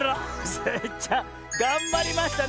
スイちゃんがんばりましたね。